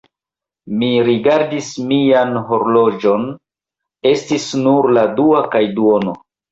Mi rigardis mian horloĝon: estis nur la dua kaj duono.